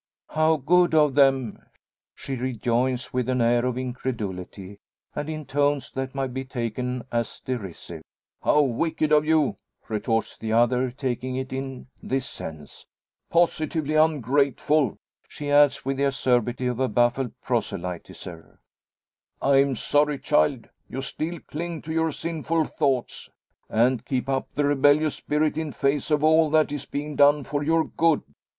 "How good of them!" she rejoins, with an air of incredulity, and in tones that might be taken as derisive. "How wicked of you!" retorts the other, taking it in this sense. "Positively ungrateful!" she adds, with the acerbity of a baffled proselytiser. "I am sorry, child, you still cling to your sinful thoughts, and keep up a rebellious spirit in face of all that is being done for your good.